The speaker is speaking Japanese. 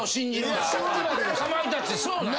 かまいたちそうなんやな。